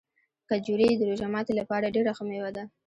کجورې د روژه ماتي لپاره ډېره ښه مېوه ده.